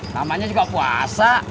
namanya juga puasa